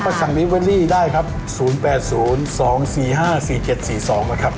ก็สั่งลิเวอรี่ได้ครับ๐๘๐๒๔๕๔๗๔๒นะครับ